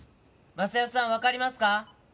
昌代さん分かりますか？